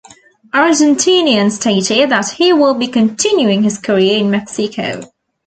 Argentinian stated that he will be continuing his career in Mexico.